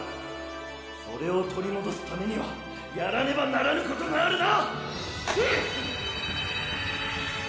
それを取り戻すためにはやらねばならぬことがあるな！